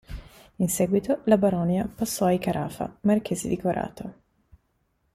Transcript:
In seguito la baronia passò ai Carafa, marchesi di Corato.